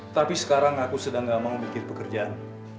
tapi sekarang aku sedang gak mau bikin pekerjaan